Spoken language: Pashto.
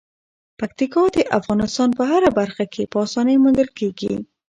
پکتیکا د افغانستان په هره برخه کې په اسانۍ موندل کېږي.